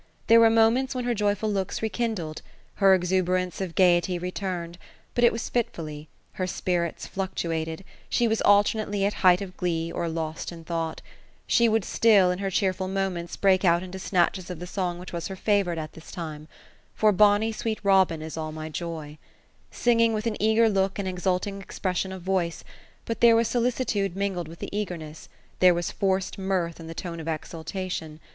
There were moments when her joyful looks rekindled ; her exuberance of gaiety re turned ; but it was fitfully ; her spirits fluctuated ; she was alternately at height of glee, or lost in thought She would still, in her cheerful momenta, break out into snatches of the song which was her favorite at this time ;—' For bonny sweet Robin is all my joy ;" singing with an eager look, and exulting expression of voice ; but there was solicitude mingled with the eagerness ; there was forced mirth in the tone of exultation.